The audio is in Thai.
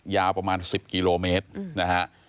ยาวประมาณ๑๐กิโลเมตรนะฮะ